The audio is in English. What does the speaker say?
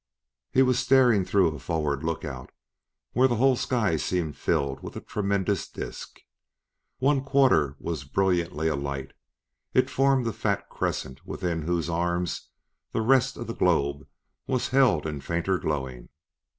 He was staring through a forward lookout, where the whole sky seemed filled with a tremendous disk. One quarter was brilliantly alight; it formed a fat crescent within whose arms the rest of the globe was held in fainter glowing.